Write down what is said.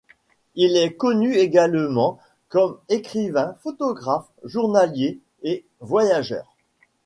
Il est connu également comme écrivain, photographe, journaliste et voyageur.